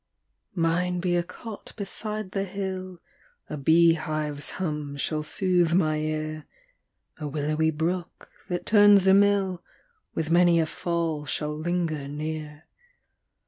Mine be a cot beside the hill, A bee hive's hum shall sooth my ear; A willowy brook, that turns a mill, With many a fall shall linger near.